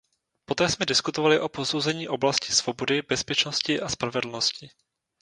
Poté jsme diskutovali o posouzení oblasti svobody, bezpečnosti a spravedlnosti.